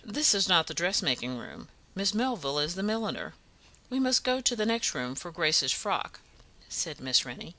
"This is not the dressmaking room Miss Melville is the milliner. We must go to the next room for Grace's frock," said Miss Rennie.